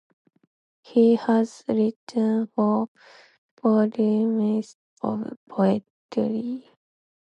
He has written four volumes of poetry.